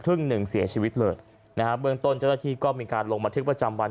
หนึ่งเสียชีวิตเลยนะฮะเบื้องต้นเจ้าหน้าที่ก็มีการลงบันทึกประจำวัน